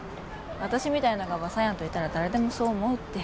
私みたいのがバサやんといたら誰でもそう思うって。